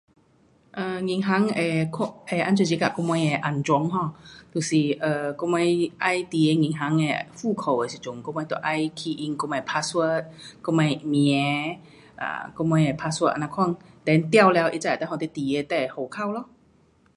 um 银行会看，会怎样我们的安全 um 就是 um 我们要进的银行的户口的时阵，我们就要 key in 我们的 password 我们的名，跟我们的 password 这样款，then 对了它才会给你进入你的户口咯。